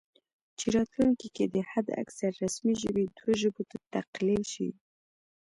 چې راتلونکي کې دې حد اکثر رسمي ژبې دوه ژبو ته تقلیل شي